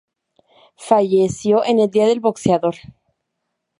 Falleció en el día del boxeador.